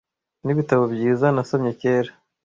n'ibitabo byiza nasomye kera